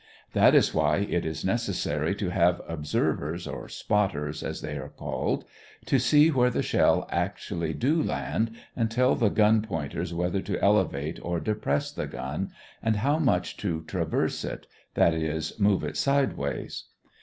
That is why it is necessary to have observers, or "spotters" as they are called, to see where the shell actually do land and tell the gun pointers whether to elevate or depress the gun, and how much to "traverse" it that is, move it sideways.